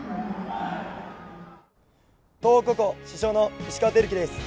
東邦高校主将の石川瑛貴です。